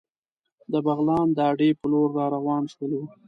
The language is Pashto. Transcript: د بغلان د اډې په لور را روان شولو.